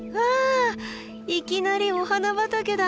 いきなりお花畑だ！